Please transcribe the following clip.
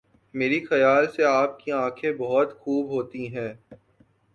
میری خیال سے آپ کی آنکھیں بہت خوب ہوتی ہیں.